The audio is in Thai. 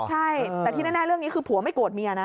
ใช่แต่ที่แน่เรื่องนี้คือผัวไม่โกรธเมียนะ